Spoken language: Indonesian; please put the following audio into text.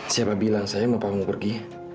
siapa bilang saya mau kamu pergi